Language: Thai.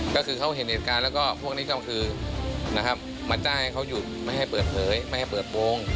ก็คือเขาเห็นเหตุการณ์แล้วก็พวกนี้ก็คือนะครับมาจ้างให้เขาหยุดไม่ให้เปิดเผยไม่ให้เปิดโปรง